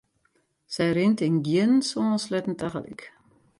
Sy rint yn gjin sân sleatten tagelyk.